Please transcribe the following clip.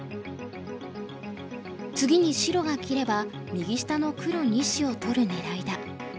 次に白が切れば右下の黒２子を取る狙いだ。